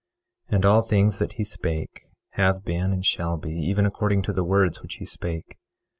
23:3 And all things that he spake have been and shall be, even according to the words which he spake.